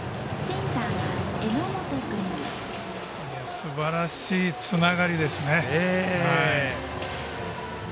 すばらしいつながりですね。